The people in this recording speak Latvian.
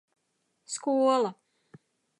Skola.